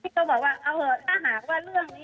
แต่คนเขาก็เอาไปแชร์กันเองนะคะ